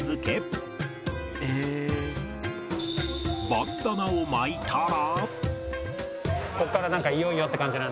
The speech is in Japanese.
バンダナを巻いたら